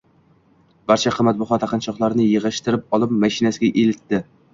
Barcha qimmatbaho taqinchoqlarni yigʻishtirib olib, mashinasiga eltdi.